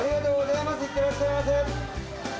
いってらっしゃいませ。